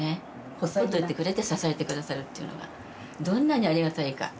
ほっといてくれて支えてくださるっていうのがどんなにありがたいか。